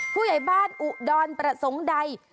ผู้ใหญ่บ้านอุดรประสงค์ใด